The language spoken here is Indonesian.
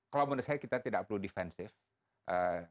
kalau menurut saya kita tidak perlu defensive